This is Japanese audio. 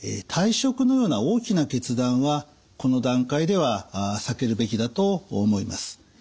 退職のような大きな決断はこの段階では避けるべきだと思います。